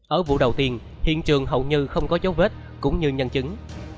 ở vụ đầu tiên hiện trường hầu như không có dấu vết cũng như nhân chứng